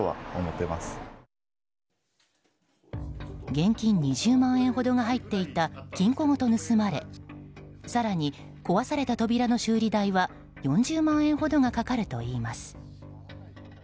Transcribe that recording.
現金２０万円ほどが入っていた金庫ごと盗まれ更に、壊された扉の修理代は４０万円ほどがかかるといいます。